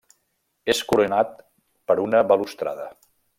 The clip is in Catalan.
És coronat per una balustrada.